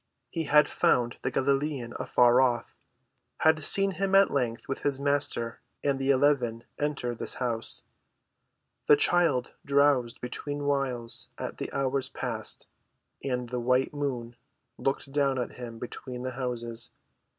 He had followed the Galilean afar off, had seen him at length with his Master and the eleven enter this house. The child drowsed between whiles as the hours passed, and the white moon looked down at him between the houses.